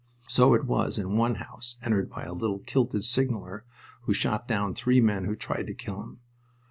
So it was in one house entered by a little kilted signaler, who shot down three men who tried to kill him.